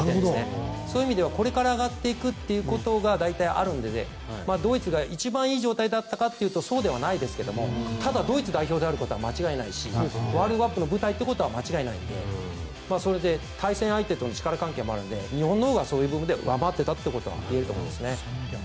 そういう意味ではこれから上がっていくということが大体あるのでドイツが一番いい状態だったかというとそうではないですがただドイツ代表であることは間違いないしワールドカップの舞台ということは間違いないのでそれで対戦相手との力関係もあるので日本のほうがそういう部分で上回っていたということが言えると思います。